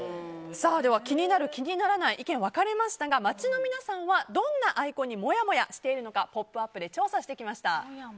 では、気になる、気にならない意見分かれましたが街の皆さんはどんなアイコンにもやもやしているのか「ポップＵＰ！」で調査してきました。